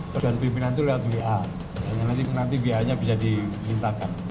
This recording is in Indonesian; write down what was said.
persetujuan pimpinan itu lewat bia yang nanti bia nya bisa dimintakan